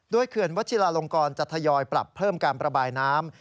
เขื่อนวัชิลาลงกรจะทยอยปรับเพิ่มการประบายน้ำ